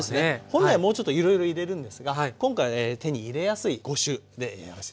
本来もうちょっといろいろ入れるんですが今回手に入れやすい５種でやらせて頂ければ。